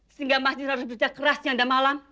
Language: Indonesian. sehingga mas dir harus kerja keras siang dan malam